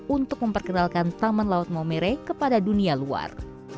untuk memperkenalkan taman laut maumere kepada dunia luar